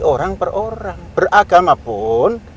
orang per orang beragama pun